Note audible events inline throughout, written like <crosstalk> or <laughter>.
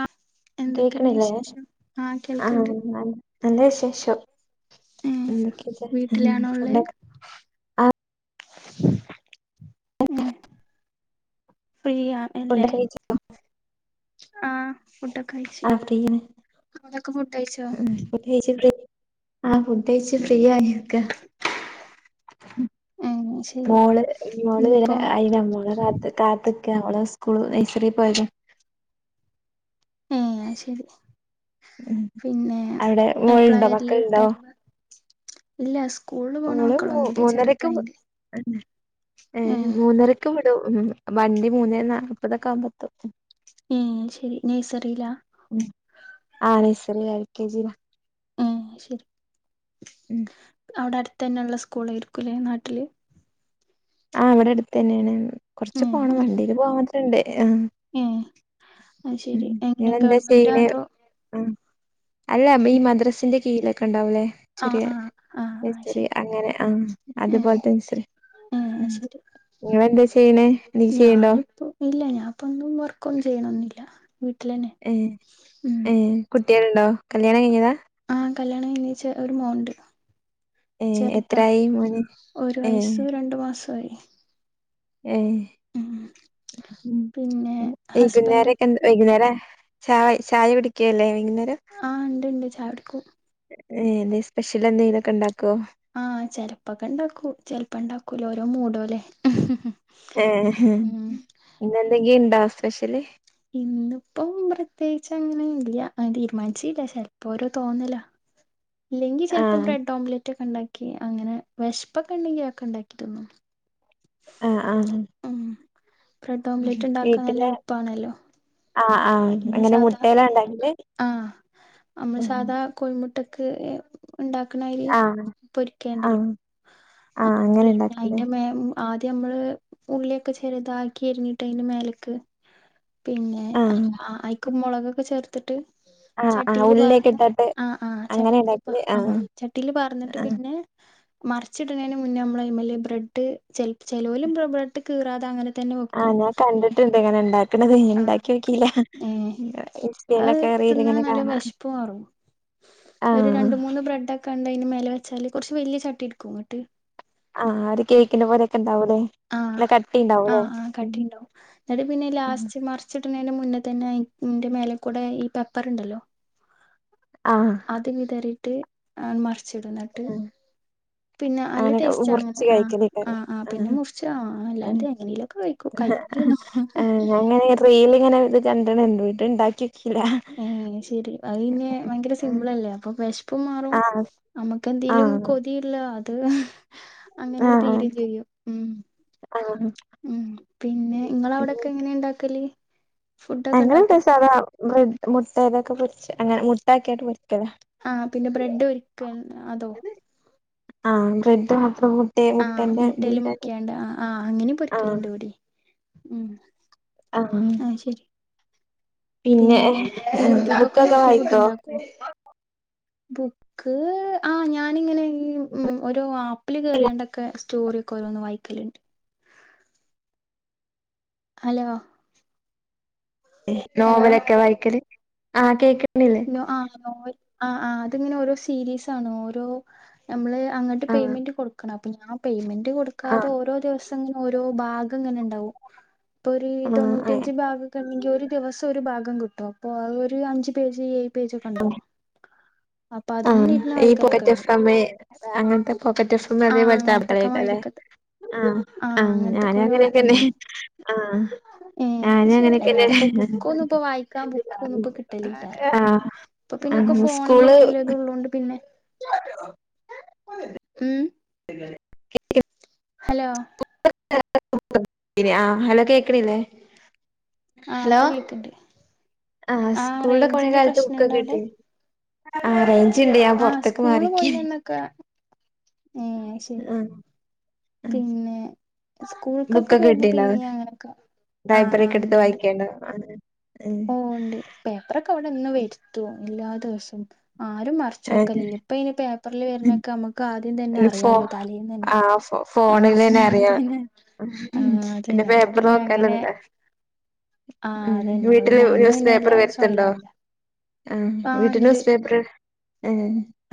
ആ എന്തൊക്കെയുണ്ട് കേക്കണില്ല വിശേഷം ആ കേൾക്കണ്ട് നല്ലഷ ശോ ഏ വീട്ടിലാണോ ഫക്കെ ആ ഉ പ്രിയ അല്ലേ ഫുഡ് കഴിച്ച ആഹ ഫുട്ടൊക്കെ അഴച്ചു ആ ഫ്രീയാണ് അടൊക്കെ ഫുട്ട്യച്ചോ ആഹ ഫുഡഴച്ച ഫ്രീ ആയിക്ക ഏ ശരി മോള് മോള് വരെ ഇനിയിപ്പം അയിന മോള്െ കാത്ത് കാത്ത് ടെ സ്കൂൾ നൈസറി പോയക്കും ഏ ശരി പിന്നെ അവിടെ എപ്പഴാ മോളുണ്ടോ വരലീ് മക്കളുണ്ടോ ടൈം ഇല്ല സ്കൂളിൽ പോണ ഓള് മ മക്കളൊന്നുമില്ല മൂന്നരക്കും ചെറുതായിന്റെ ഏ മൂന്നരക്കും ഉ വണ്ടി മൂന്നേ നാല്പ്പതൊക്കെ ആവുമ്പോത്തോ ഉം ശരി നഴ്സറില ഉം നഴ്സറി ആ കെ ജി ആഹ ശരി ഉം അവിടെ അടുത്ത തന്നെള്ള സ്കൂളായിരിക്കുംല്ലെ നാട്ടില് ആ അവിടെ അടുത്ത് തന്നെയാണ് കുറച്ച് ഏ പോണം വണ്ടീൽ പോവാൻ മാത്ര ഉണ്ട് ആ് ഏ അ ശരി എങ്ങനെ നിങ്ങളെന്താ ഗവൺമെന്റ് ചെയ്യണേ അതോ ആഹ് അല്ല അമ്മ ഈ മദ്രസിന്റെ കീഴിലെ കണ്ട ആ ആ ആ ആ ണ്ടാവലേെറരി ശരി അങ്ങനെ ആ അതുപോലത്തെ നിരി ആഹ ശരി നീ ചെയ്യണ്ടോ ഞാനിപ്പോ ഇല്ല ഞാന ഇപ്പ ഒന്നും വർക്കൊന്നും ചെയ്യണെന്നില്ല ഉ ഏ കുട്ടികരുണ്ടോ കല്യാണം കഴിഞ്ഞതാ ആ കല്യാണം എനച്ച ഒരു മോൻണ്ട് ഏഹ് ചെറുതാ എത്രായി മോന് ഒരു ഏഹ് വയസ്സു രണ്ടു മാസയി ഏ പിന്നെ ഹസ്ബൻഡ് വൈകുന്നേരക്കെ വൈകുന്നേരം ചായ ചായ പിടിക്കല്ലേ ആഹ് ഇണ്ട് ഇണ്ട് ചായ കുടിക്കും ഏ്തെ സ്പെഷ്യൽ എന്തെങ്കുംൊക്കെ ഉണ്ടാക്കുമോ ആഹ ചെിലപ്പൊക്കെ ഇ എന്ന ചിത്രത്തിൽ ണ്ടാക്കൂ ചെിലപ്പ ഇണ്ടാക്കൂല ഓരോ മൂടോ അല്ലേ ഏ എപ ഇന്ന ന്തെങ്കിലും ഉ ണ്ടോ സ്പെഷ്യല് ഇന്നിപ്പം പ്രത്യേകി അങ്ങനെ ഇല്ല അൽതീരുമാനിച്ചല്ല ചിലപ്പോര തോന്നല ഇല്ലങ്കിൽെല്പ്പം ആഹ് ബ്രഡ് ആഓംലറ്റ് റ്റൊക്കെ ഉണ്ടാക്കി അങ്ങനെ വിഷ്പൊക്കെ ഉണ്ടെങ്കി അ ഒ ക്കെ ഉണ്ടാക്കി തിന്നു ആഹ ആഹ ബ്ലെറ്റ് ഉണ്ടാക്കാൻ നല്ല എളുപ്പണല്ലോ ആആഹ അങ്ങനെ മുടല ഉണ്ടാക്കില് ആഹ നമ്മൾ സാധാ കോഴിമുട്ടക്ക് ഉണ്ടാക്കണര് ആഹ് പൊരിക്കണ്ടല്ലോ ആഹ് ആഹ് അങ്ങനെ അതേപോലെെ ഇണ്ടാക്കൂലേ അതിന്റെ ആദ്യം നമ്മള് ഉള്ളിയൊക്കെ ചെറുതാക്കി എരിഞ്ഞിട്ട് അതലേക്ക് പിന്നെ ആഹ് അഐക്ക മുളകൊക്കെ ചേർത്തിട്ട് ആഹ് ആഹ് ചട്ടിയില് ഉള്ളിയൊക്കെ പാർന്ന് ഇട്ടിട്ട് ആ ആഹ് അങ്ങനെ ചട്ടിൽ ഇണ്ടാക്കല് ആ ആഹ് ചട്ടിൽ പാർന്നിട്ട് ആഹ് പിന്നെ മറിച്ചിടുന്നതിന് മുന്നേ നമ്മളയ് മലെ ബ്രെഡ് ച ല്ചിലോ ല് ബ്രെഡ് കീറാതെ അങ്ങനെ തന്നെ ആഹ് വെക്കും ഞാൻ കണ്ടിട്ടുണ്ട് ഇങ്ങനെ ഉണ്ടായി നെലെ ആഹ് കയ്ഞ്ഞ്ഇണ്ടാക്കി ഏഹ് അത് നോക്കിലക്കെഎറില തിന്നാൻ ഇങ്ങനെ നല്ല കാണാ വിശപ്പ് മാറും ഒരു ആഹ് രണ്ട മൂന്ന് ബ്രെഡ് ഒക്കെ ഉണ്ട അതിന് മല വെച്ചാല് കുറച്ച് വല്ിയ ചട്ടി എടുക്കും അങ്ങോട്ട് ആഹ് ഒരു കേക്കിന്റെ പോലെയൊക്കെ ഉണ്ടാവൂലേ ആഹ ആഹ് ആ കട്ടിണ്ടാവും എന്നിട്ട് പിന്നെ ലാസ്റ്റ് മറിച്ച് മുന്നേ തന്നെന്റെ മേലെ കൂടെ ഈ പെപ്പർ ഉണ്ടല്ലോ ആഹ് അത് വിതറിയിട്ട് മറിച്ചിടുന്നിട്ട് പിന്നെ നല്ല അങ്ങനെ ടേസ്റ്റ് മുറിച്ച് അങ്ങനെ ആ ആ കഴിക്കലേക്കാരല്ലേ ആ പിന്നെ ആഹ് മുർച്ച അല്ലാണ്ട് എങ്ങനെലൊക്കെ കഴിക്ക ഞങ്ങനെ റീൽ ഇങ്ങനെ ഇത് കണ്ടണുണ്ട്ട്ട ഇണ്ടാക്കി നോക്കിയില്ല എ ശരി അതഞ്ഞ് ഭയങ്കര സിമ്പിൾല്ലേ അപ്പൊ പെസ് ഇപ്പ മാറും ആഹ് നമ്മുക്ക്െന്തേലും ആഹ് കൊതിയില്ല അത് അങ്ങനെരു ആഹ് തീരയും ചെയ്യും ഉം ആഹ് ഉം പിന്നെ നിങ്ങ അവിടെൊക്കെ എങ്ങനെ ഉണ്ടാക്കല് അങ്ങനെ പ്രസാധഡ് മുട്ട ഇതൊക്കെ അങ്ങനെ മുട്ടാക്കിയാട്ട് പൊരിക്കല ആഹ് പിന്നെ ബ്രെഡ് പൊരിക്ക അതോ ആഹ് ബ്രഡ ആഹ മുട്ടൽ മുക്കിയാണ്ട് ആഹ് അങ്ങനെ പൊരിക്കലുണ്ട് കവിടി ഉ ആഹ പിന്നെ ഉ യൂട്യൂബൊക്കെ ബുക്കൊക്കെ നോക്കി ഫുഡ് വായിക്കോ ഇണ്ടാക്കോ ബുക്ക് ആ ഞാനിങ്ങനെ ഈ ഓേ ആപ്പിില് കേറിയണ്ടൊക്കെ സ്റ്റോറി ഓരോന്നും വായിക്കലു <inaudible> ണ്ട് ഹലോ ഹലോ നോവലൊക്കെ വായിക്കല് ആ കേക്ക് ആ ആ ആ അത്ങ്ങനെ ഓരോ സീരീസ ആണ ഓരോ നമ്മള് അങ്ങോട്ട് ആഹ് പെയ്മെന്റ് കൊടുക്കണം അപ്പ ഞാൻ പേയ്മെന്റ് കൊടുക്കാതെ ആഹ് ഓരോ ദിവസം ങ്ങനെ ഓരോ ഭാഗം ങ്ങനെ ണ്ടാവും ഇപ്പൊ ഒരു തൊണ്ണൂറ്റി ആഹ് അഞ്ച് ഭാഗക്കെണ്ടെങ്കിൽ ഒരു ദിവസം ഒരു ഭാഗം കിട്ടും അപ്പോ അ ഒരു അഞ്ചു പേജ് ചെ <unintelligible> അതിങ്ങനെ ഇരുന്ന് വായിക്കലൊക്കെ ഉണ്ട് അങ്ങനത്തെ പോക്കറ്റ് ആഹ് അങ്ങനത്തൊക്കെ <unintelligible> മായിരിക്കത്തെ ആ ആ ആഹ് അങ്ങനത്തൊക്കെ ഞാനങ്ങനെ തെന്നെ ആ ഏ ശെരി അല്ലാതപ്പോ ബുക്കൊന്ന്പ്പോ വായിക്കാ ബുക്കൊന്നും ഇപ്പ കിട്ടലില്ല റിയ ആഹ് പ്പൊ പിന്നൊക്കെ ആഹ് സ്കൂള് ഫോണിലെന്നെ എല്ലോംള്ളതൊണ്ട് പിന്നെ <inaudible> ഉം <inaudible> ഹലോ ആ ഹലോ കേക്ക്ണില്ലേ ആ ഇപ്പൊ കേക്ക്ണ്ട് ആ ആഹ് സ്കൂളില് റേഞ്ചിന്റെ പോയകാലത്ത് ബുക്കൊക്കെ പ്രശ്നണ്ടോ അവിടെ കിട്ടി ആ അതേ <unintelligible> ആഹ് പൊറത്ത്ക്ക് മാറി നിക്കേനി ഏ ശെരി ആഹ് പിന്നെ സ്കൂൾക്കൊക്കെ ബുക്കൊക്കെ പോകുമ്പോ കിട്ടീണ്ടാ പിന്നേം അങ്ങനൊക്കെ ആഹ് ലൈബ്രറി ആഹ് ക്കെടുത്ത് ഇണ്ട് ഇണ്ട് വായിക്കേണ്ടാ <unintelligible> ഓ ണ്ട് പേപ്പറൊക്കെവിടെന്നും വെരുത്തും എല്ലാ ദിവസോം ആരും ഉം മറിച്ചോക്കലില്ല ഇപ്പയ്ന് പേപ്പറില്‌ വര്ണൊക്കെ നമ്മക്ക് ആര് തന്നെ ഫോ അറിയാലോ തലേന്നെ ന്നെ ആ ആ ഫോണിലെന്നെ അറിയാം <inaudible> ആ പിന്നെ അതെന്നെ അപ്പൊ പേപ്പർ പിന്നെ അങ്ങനെ നോക്കാല്ലൊന്നുല്ല ആ ഉം അത്‌ന്നെ അപ്പൊ വീട്ടില് പിന്നെ അയ്മ് പിന്നെ എല്ലാതെ സൊകലാവൂല്ല ആ വീട്ട്ല് സ് പേപ്പറ്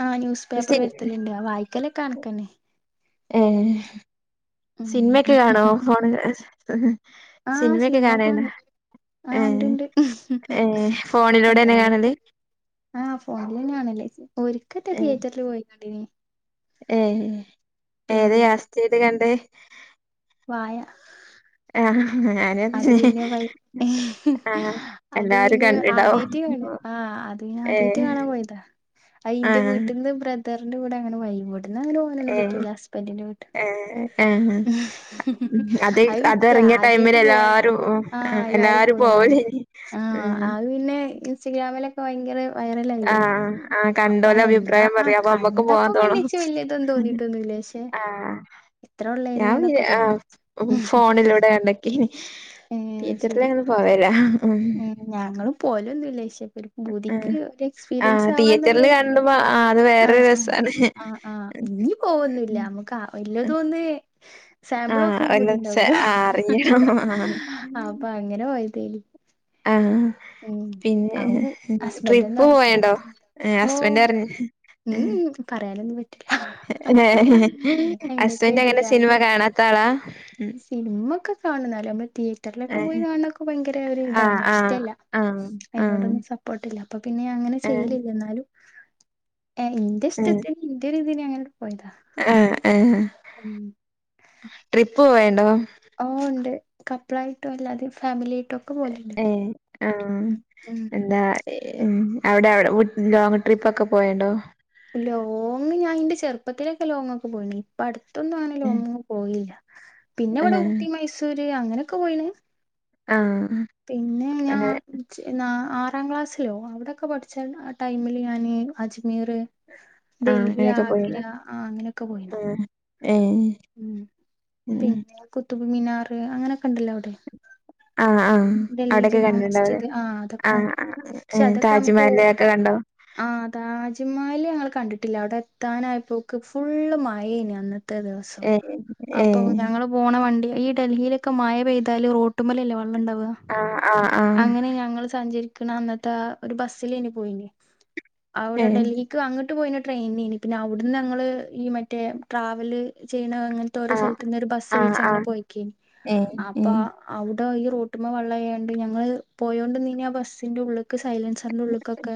ആ ന്യൂസ് പേപ്പറ് വരുത്തല്ണ്ട് ആ വായിക്കലക്കണക്കന്നെ ഏ ഉം സിനിമക്കെ കാണോ ഫോണില് ഉം ആ സിനിമയെക്കെ സിനിമ കാണല്ണ്ടോ കാണും ആ ഏ ഉണ്ട്ണ്ട് ഏ ഫോണിലൂടന്നെ കാണല് എങ്ങനെങ്കിലും ആ ഫോണിലെന്നെകാണല് ഒരിക്കെ റ്റെ ഏ തിയേറ്ററില് പോയിക്കണ്ടീനി ഏ ഏത് പിന്നെ ലാസ്റ്റ് ഏത് കണ്ട് വായ ആ ഞാന് അത് അതന്നെ പിന്നെ ബൈ ഹ് ആ അത് എല്ലാരും പിന്നെ കണ്ടിണ്ടാവും ആദ്യായിട്ട് കാണ ആ അത് പിന്നെ ഏ ആദ്യായിട്ട് കാണാൻ പോയതാ അത് ആ ന്റെ വീട്ട്ന്ന് ബ്രദറിന്റെ കൂടെ അങ്ങനെ വൈ <unintelligible> വ്ട്ന്ന് അങ്ങനെ പോവാനൊന്നും ഏ പറ്റൂല ഹസ്ബന്റിന്റെവീട്ട്ന്ന് ഏ ആ ഉം അത് വിറ്റാ അതെറങ്ങിയ ആദ്യായിട്ട് ടൈമില് ട്ട് പോയി എല്ലാരും ഉം ആ എല്ലാരും പോയീണ് പോവലേനി ആ ഉം അത് പിന്നെ ഇ ൻസ്റ്റഗ്രാമിലൊക്കെ ഭയങ്കരെ ആ വയറലായില്ലേ ആ അപ്പ കണ്ടോലെ അതെന്താ അഭിപ്രായം ആ പറയാ അപ്പൊ നമ്മക്ക് കണ്ടപ്പോ പോവാൻ പിന്നെ തോണും ഇച്ച് വല്യ ഇതൊന്നും തോന്നിട്ടൊന്നുല്ല പക്ഷെ ആ അ എത്ര ഉള്ളേനി ഞാൻ വിചാ എന്നൊക്കെ ആ തോന്നി ഫോണിലൂടെ <unintelligible> ഏഹ് ശരി തീയറ്ററിലങ്ങനെ പോവേല്ലാ ഉം ഞങ്ങളും പോവലെന്നുല്ലേശ അ ആ തിയേറ്ററില് ആവാന്നുള്ളൽക്ക് കണ്ടുവാ ആ അത് വേറൊരു ആഹ് ആഹ് രസാണ് ആഹ് ആഹ് ഇനി പോവോന്നുല്ല നമ്മക്ക് ആ എല്ലതൊന്ന് ആഹ് സാമ്പിളൊക്കാൻ ഒരച്ചെ പൂതിണ്ടാവല്ലോ ആഹ് അറിയണം ആഹ് അപ്പ അങ്ങനെ പോയതേനി ആ ഉം പിന്നെ അവു ട്രിപ്പ് ഹസ്ബൻഡൊന്നും അറിയില്ല പോയണ്ടോ വീട്ടില് ഹസ്ബന്റ് ഓഹ് അറിഞ്ഞ് ഉം പറയാനൊന്നും പറ്റില്ല ഹസ്ബന്റ് അങ്ങനെ സിനിമ കാണാത്താളാ സിനിമക്കെ കാണുംന്നാലും നമ്മള് തിയേറ്ററിലൊക്കെ പോയി ഏഹ് കാണ് ണതൊക്ക ഭയങ്കരൊരു ആഹ് ഇതാണ് ആഹ് ഇഷ്ടല്ല ആഹ് ആഹ് അയിനോടൊന്നും സപ്പോട്ടില്ല അപ്പൊ പിന്നെ അങ്ങനെ ഏഹ് ചെയ്യലില്ല ന്നാലും ഏ ന്റെ ഏഹ് ഇഷ്ടത്തിന് ന്റെ ഒരു ഇതിന് അങ്ങനെ പോയതാ ആഹ് ഏഹ് ഉം ട്രിപ്പ് പോയണ്ടോ ഫ്ലൈറ്റൊ അല്ലാതെ ഫാമിലി ഒക്കെ പോവലുണ്ട് ഏ ആ ഉം ഉം എന്താ ഏ ഉം അവിടെ അവിട ഓര് ലോങ് ട്രിപ്പൊക്കെ പോയണ്ടോ? ലോങ് ഞാൻ ഇന്റെ ചെറുപ്പത്തിലൊക്കെ ലോങ്ങൊക്കെ പോയണ്ട് ഇപ്പ അടുത്തൊന്നും അങ്ങനെ ലോങ്ങെങ്ങും പോയില്ല. പിന്നെ ഇവിട ഏഹ് ഊട്ടി മൈസൂര് അങ്ങനെയൊക്കെ പോയിണ്. ആ പിന്നെ ഞാൻ എനിച്ച് നാ ആറാം ക്ലാസ്സിലോ അവിടൊക്കെ പഠിച്ച ആ ടൈമില് ഞാനീ അജ്മീറ് ആഹ് ഡൽഹി അങ്ങനെയൊക്കെ ആഗ്ര പോയിന്ന് ആ അങ്ങനെയൊക്കെ പോയിണ്. ആഹ് ഏഹ് ഉം ഉം പിന്നെ കുത്തുബ് മിനാർ അങ്ങനെൊക്കെ ഒണ്ടല്ലോ അവിടെ. ആഹ് ആഹ് ഡൽഹി അവിടെക്കെ ജൂമാ കണ്ടിണ്ടാവുല്ലേ മസ്ജിദ് ആഹ് അതൊക്കെ ആഹ് ഒണ്ട്. പക്ഷെ ആഹ് അതൊക്കെ നമുക്കൂ താജ്മഹല് ഒക്കെ കണ്ടോ ആഹ് താജ്മഹല് ഞങ്ങൾ കണ്ടിട്ടില്ല അവിടെ എത്താനായിപ്പോക്ക് ഫുള്ള് മഴേയായിനു അന്ന്. അതേ ദെവസം ഏഹ് അപ്പൊ ഏഹ് ഞങ്ങള് പോണ വണ്ടി ഈ ഡൽഹിയിലൊക്കെ മഴ പെയ്താല് റോട്ടുമലല്ലേ <unintelligible> ആഹ് ആഹ് ആഹ് അങ്ങനെ ഞങ്ങള് സഞ്ചരി ക്കണ അന്നത്തെ ഒരു ബസിലാനി പോയിന്. അവിടെ ഏഹ് ഡൽഹിക്ക് അങ്ങട് ട്ട് പോയിന ട്രെയിനാണ്. പിന്നെ അവിടുന്ന് ഞങ്ങള് മറ്റേ ട്രാവല് ചെയ്യ പിന്നെ അങ്ങനത്തെ ഓരോ ആഹ് സ്ഥലത്ത്ന്ന് ബസ് ആഹ് വിളിച്ച് അങ്ങനെ ആഹ് പോയേക്കി. ഏഹ് അപ്പ ഏഹ് അവടെ <unintelligible> റൂട്ടുമേ വെള്ളം ആയോണ്ട് ഞങ്ങള് പോയോണ്ട് ന്ന് ഇനീ ആ ബസ്സിൻറെ ഉള്ള് ക്ക് സൈലൻസറിൻ്റെ ഉള്ളൂക്കൊക്കെ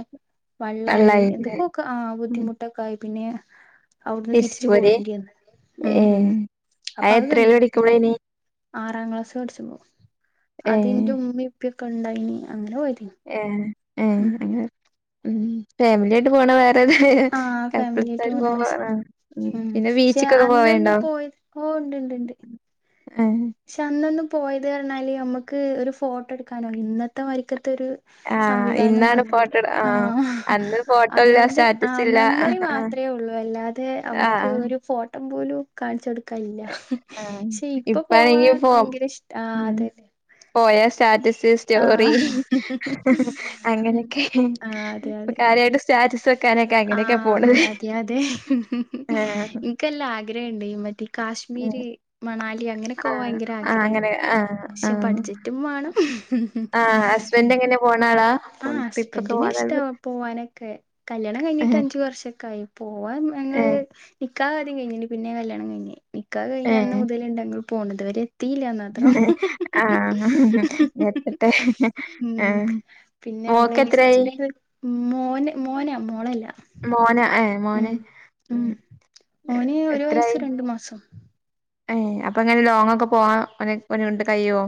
വള്ളായി കള്ളായില്ലേ എന്തൊക്കക്കെ ആഹ് ബുദ്ധിമുട്ടൊക്കെ ആയി പിന്നെയാ? അവിടുന്ന് തിരിച്ചു പോരണ്ടിയന്ന്. മ് മ് ഏഹ് അപ്പൊ അത് എത്രേല് കണ്ടില്ല <unintelligible> പഠിക്കുമ്പളേനി ആറാം ക്ലാസ് പഠിച്ചപ്പോ അതി ഏഹ് ന്റെ ഉമ്മയും ഉപ്പയും ക്കെ ഉണ്ടായിനി അങ്ങനെ പോയി ഏ ഉം ഉം ഫാമിലിയായിട്ട് പോണ വേ അതതെ ആ ഫാമിലിയായിട്ട് <unintelligible> പോ പോണ രസാ ഉം പിന്നെ ബീച്ചിക്കൊക്കെ പോവയൊണ്ടാവും. ഒണ്ട്ണ്ട്ണ്ട്. പക്ഷെ അന്നൊന്ന് പോയത് പറഞ്ഞാല് നമ്മുക്ക് ഒരു ഫോട്ടോ എടുക്കാനോ ഇന്നത്തെ <unintelligible> ത്തൊരു ആഹ് സംവിധാനൊന്നും ഇന്നാണ് അന്നില്ല ഫോട്ടോ എട് ആ ആഹ് അന്ന് ഫോട്ടോ ഇല്ല അതൊണ്ട് ആ സ്റ്റാറ്റസ് ഇല്ല മെമ്മറി ആഹ് <unintelligible> ആഹ് മാത്രേ ഒള്ളൂ. അല്ലാതെ നമക്ക് ആഹ് അല്ലാതെ ഒരു ഫോട്ട ട്ടം പോലും കാണിച്ചൊടുക്കാനില്ല. പക്ഷെ ഇപ്പം ആണെങ്കി ഫോം മ് പോയാ സ്റ്റാറ്റസ് സ് ആഹ് സ്റ്റോറി ഉം അങ്ങനെയൊക്കെ. അതെ ഇപ്പൊ അതെ കാര്യായിട്ട് സ്റ്റാറ്റസ് വെക്കാനൊക്കെ ആ അങ്ങനെയൊക്കെ പോണത് അതെ അതെ ആഹ് ഇനിക്കല്ല ആഗ്രഹം ഒണ്ട് <unintelligible> ഉം കാശ്മീര് മണാലി അങ്ങനെയൊക്കെയോവാൻ ആഹ് ഭയങ്കര ആഹ് ആഗ്രഹൊണ്ട് അങ്ങനെ ആഹ് പക്ഷെ ആഹ് ബഡ്ജറ്റും വേണം. ആഹ് ഹസ്ബൻഡ് എങ്ങനെ പോണ ആളാ ആ പോ ട്രിപ്പൊക്കെ ഹസ്ബആൻ്റി ന് പോവാൻ താല്പ ഇഷ്ടമാ പോവാനൊക്കെ കല്യാണം കഴിഞ്ഞിട്ട് ഏഹ് അഞ്ചു വർഷൊക്കെ ആയി. പോവാൻ ഞങ്ങള് ഏഹ് നിക്കാഹ് ആദ്യം കഴിഞ്ഞിന് പിന്നെയാ കല്യാണം കഴിഞ്ഞേ. നിക്കാഹ് കഴിഞ്ഞ അന്നു ഏഹ് മുതല് <unintelligible> പോന്നതുവരെ തീല്ലാന്നാത്രം. ആഹ് എത്തട്ടെ ഉം ആഹ് പിന്നെ നമ്മളെ മോക്കെത്രായി ലിസ്റ്റിലേത് മോന് മോനാ മോ മോളല്ല മോന് ഏ ഉം മോന് ഉം ഏ, മോന് ഒരു എത്രായി വയസ് രണ്ട മാസം. <unintelligible> ഏ അപ്പൊ ഇങ്ങനെ ലോങ്ങൊക്കെ പോവാ <unintelligible> ക്കൊണ്ട് കയ്യുവോ?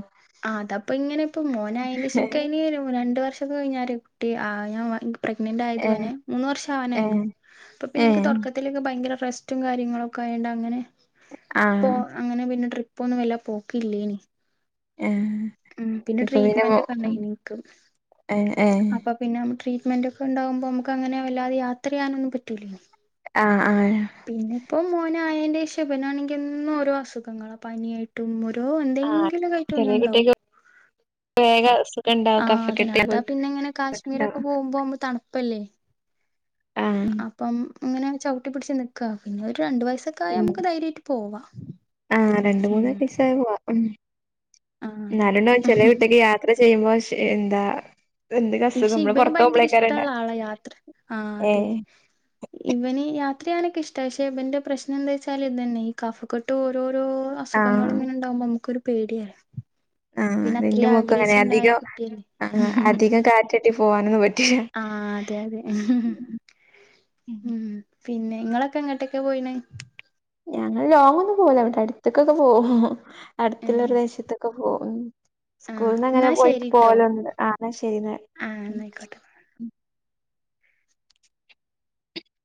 ആ അതപ്പൊ ഇങ്ങനിപ്പം മോനായന് ഏ <unintelligible> കഴിഞ്ഞ് രണ്ടു വർഷം അത് കഴിഞ്ഞൊരു കുട്ടി ആയാ മതി പ്രഗ്നന്റ് ഏ ആയത്വനെ മൂന്ന് വർഷം ഏ ആവാനായിനു. അപ്പൊ ഏ പിന്നെനിക്ക് തൊടക്കത്തിലൊക്കെ ഭയങ്കര റസ്റ്റും കാര്യങ്ങളും ഒക്കെ ആയോണ്ട് അങ്ങനെ ആ ഇപ്പൊ അങ്ങനെ പിന്നെ ട്രിപ് പൊന്നും ഇല്ല. പോക്കില്ലേനി. ഏ മ് പിന്നെ ഇപ്പൊ മോ ട്രീറ്റ്മെന്റ് ഒക്കെ ഉം, ഉണ്ടായിനി ക്ക്. ഏ ഏ അപ്പൊ പിന്നെ <unintelligible> ട്രീ റ്റ്മെന്റൊക്കെണ്ടാകുമ്പോ നമുക്ക് അങ്ങനെ വല്ലതെ യാത്ര ചെയ്യാനൊന്നും പറ്റൂല്ലലോ. ആ ആ പിന്നെപ്പോ മോന അായറെ ശബനാണെങ്കിൽ ഒും ഓരോ അസുഖങ്ങള പനിയായിട്ടും റ്റോ ആ എന്തെങ്കിലും കറ്റ ഒന്ന ചെറിയ ഇണ്ടാവും കുട്ടിക്ക് വേഗ അസുഖം ഉണ്ടാവും ആഹ് അതെ കഫക്കെട്ട് അതാ പോലത്തെ പിന്നെ ഇങ്ങനെ കാശ്മീരൊക്കെ ഉണ്ടാവും പോകുമ്പോ ന്പ തണു ഇപ്പല്ലേ ആ അപ്പം അങ്ങനെ ചവിട്ടി പിിടിച്ച് നക്കുക പിന്നെ ഒരു രണ്ട് വയസ്സൊക്കെ ആ ഉം. നമുക്ക് ധൈയട്ട് പോവാം ആ രണ്ട മൂന്ന് പൈസ പോവാ ഉ ആഹ് അതന്നെ എന്നാലുംണ്ട ചെിലീട്ടക്ക് യാത്ര ഫേമോസ് എന്താ എന്തൊക്കെ അസുഖം പക്ഷെ നമ്മള് ഇവന് പുറത്ത് ഭയങ്കര പോകുമ്പളേക്കാരം ഉണ്ടാ ഇഷ്ടമുള്ള ആളാ യാത്ര ആഹ ഏ അതെ ഇവന് യാത്ര അത്രയാൊക്ക ഇഷ്ട പക്ഷെ ഇന്റെശ്ന എന്താ വച്ചാ ഇത്ന്ന ഈ കഫക്കെട്ട് ഓരോ രോ ആ അസുഖങ്ങള് ഇങ്ങനെ ഇണ്ടാകുമ്പോ നമുക്കൊരു പേടിയാ. ആഹ് ആഹ് പിന്നെ ആണ് ഇന്റെ അത്രയും മോക്കും അങ്ങനെ. ആഗ്രഹിച്ചുണ്ടായ അധികം കുട്ടിയല്ലേ ആഹ് അധികം കാറ്റട്ടി പോവാനൊന്നും പ ആഹ് അതെയതെ ഉം പിന്നെ ഇങ്ങളൊക്കെ എങ്ങട്ടെക്കെ പോയിണ്? ഞങ്ങൾ ലോങ് ഒന്നും പോവുല. ഇവടെ അട്ത്ത്ക്കൊക്കെ പോവും. ഏഹ് അടുത്തുള്ളരു ദേശത്തൊക്കെ <unintelligible> ആഹ് സ്കൂളന്ന് അങ്ങനെ എന്നാ പോയിട്ട് ശരിട്ടോ പോവലുണ്ട് ആന്നാ ശരി ആ എന്നായിക്കോട്ടെ